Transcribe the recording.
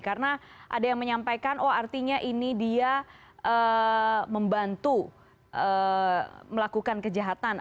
karena ada yang menyampaikan oh artinya ini dia membantu melakukan kejahatan